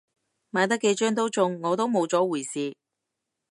買得幾張都中，我都冇咗回事